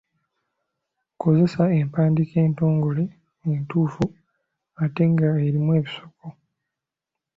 Kozesa empandiika entongole entuufu ate nga erimu ebisoko.